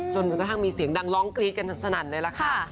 จนกระทั่งมีเสียงดังร้องกรี๊ดกันสนั่นเลยล่ะค่ะ